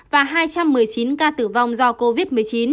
và hai trăm một mươi chín ca tử vong do covid một mươi chín